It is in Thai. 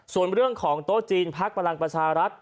ส่วนเรื่องของโต๊ะจีนพักพลังประชารัฐ